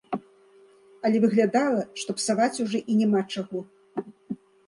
Але выглядала, што псаваць ужо і няма чаго.